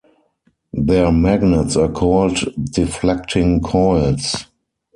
Their magnets are called "deflecting coils".